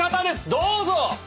どうぞ！